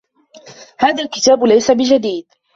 هذا الكتاب ليس بجديدٍ.